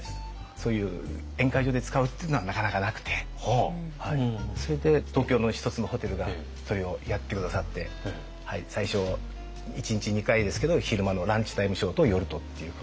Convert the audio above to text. そういう宴会場で使うっていうのはなかなかなくてそれで東京の１つのホテルがそれをやって下さって最初一日２回ですけど昼間のランチタイムショーと夜とっていうことで。